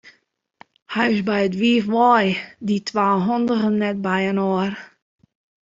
Hy is by it wiif wei, dy twa handigen net byinoar.